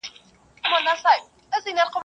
o پښې د کمبلي سره غځوه.